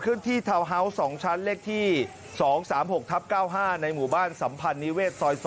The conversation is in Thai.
ขึ้นที่เท้าเฮ้าสองชั้นเลขที่๒๓๖ทับ๙๕ในหมู่บ้านสัมพันธ์นิเวศส่อย